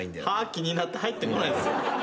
歯気になって入ってこないですよ